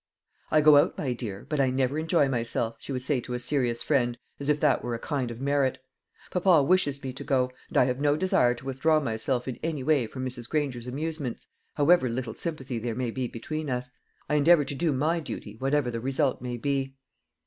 "I go out, my dear, but I never enjoy myself," she would say to a serious friend, as if that were a kind of merit. "Papa wishes me to go, and I have no desire to withdraw myself in any way from Mrs. Granger's amusements, however little sympathy there may be between us. I endeavour to do my duty, whatever the result may be."